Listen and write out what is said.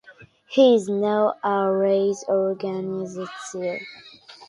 He is now a race organizer.